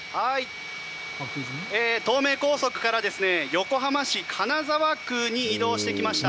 東名高速から横浜市金沢区に移動してきました。